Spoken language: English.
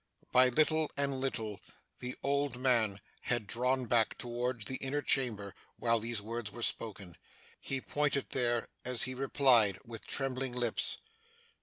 By little and little, the old man had drawn back towards the inner chamber, while these words were spoken. He pointed there, as he replied, with trembling lips.